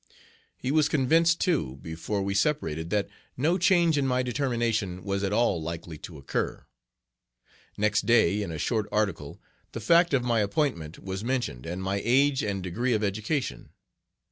He was convinced, too, before we separated, that no change in my determination was at all likely to occur. Next day, in a short article, the fact of my appointment was mentioned, and my age and degree of education.